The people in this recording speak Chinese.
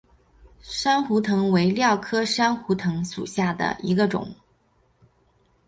珊瑚藤为蓼科珊瑚藤属下的一个种。